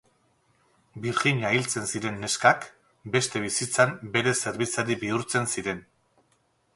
Birjina hiltzen ziren neskak, beste bizitzan bere zerbitzari bihurtzen ziren.